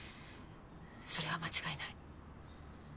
それは間違いない。